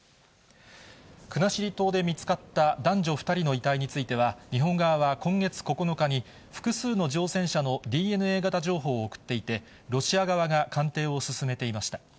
国後島で見つかった、男女２人の遺体については、日本側は今月９日に、複数の乗船者のＤＮＡ型情報を送っていて、ロシア側が鑑定を進めていました。